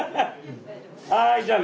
はいじゃあね。